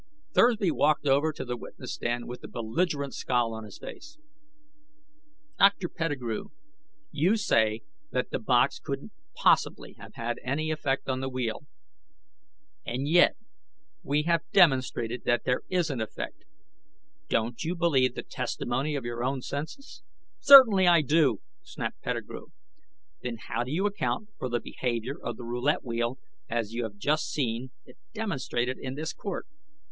Thursby walked over to the witness stand with a belligerent scowl on his face. "Dr. Pettigrew, you say that the box couldn't possibly have had any effect on the wheel. And yet, we have demonstrated that there is an effect. Don't you believe the testimony of your own senses?" "Certainly I do!" snapped Pettigrew. "Then how do you account for the behavior of the roulette wheel as you have just seen it demonstrated in this court?"